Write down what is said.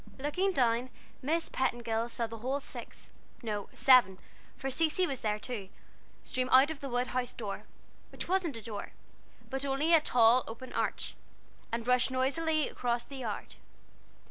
Looking down, Miss Petingill saw the whole six no, seven, for Cecy was there too stream out of the wood house door which wasn't a door, but only a tall open arch and rush noisily across the yard.